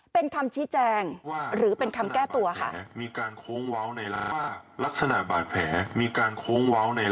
เป็นคำชี้แจง